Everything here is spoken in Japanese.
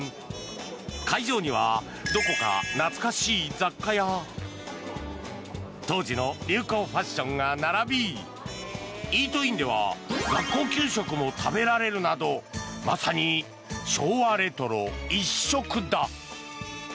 会場にはどこか懐かしい雑貨や当時の流行ファッションが並びイートインでは学校給食も食べられるなどまさに昭和レトロ一色だ。